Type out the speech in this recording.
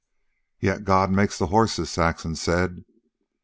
"Yet God makes the horses," Saxon said.